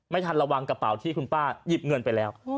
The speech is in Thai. ทันระวังกระเป๋าที่คุณป้าหยิบเงินไปแล้ว